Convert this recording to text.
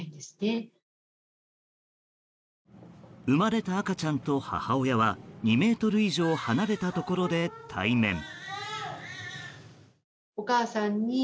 生まれた赤ちゃんと母親は２ｍ以上離れたところで対面。